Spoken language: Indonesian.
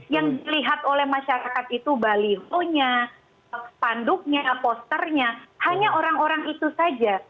yang dilihat oleh masyarakat itu balihonya spanduknya posternya hanya orang orang itu saja